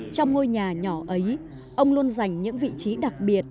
trong ngôi nhà nhỏ ấy ông luôn dành những vị trí đặc biệt